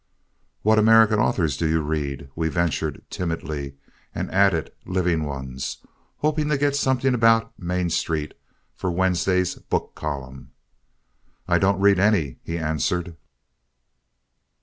"What American authors do you read?" we ventured timidly, and added "living ones" hoping to get something about "Main Street" for Wednesday's book column. "I don't read any," he answered.